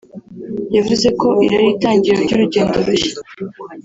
yavuze ko iri ari itangiriro ry’urugendo rushya